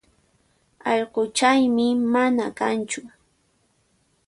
Allquchaymi mana kanchu